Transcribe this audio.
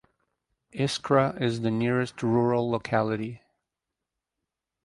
Iskra is the nearest rural locality.